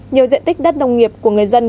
nhiều diện tích đất nông nghiệp của người dân